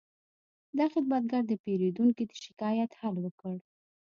دا خدمتګر د پیرودونکي د شکایت حل وکړ.